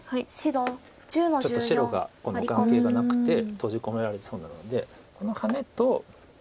ちょっと白が眼形がなくて閉じ込められそうなのでこのハネと。